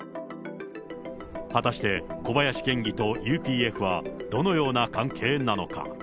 果たして小林県議とＵＰＦはどのような関係なのか。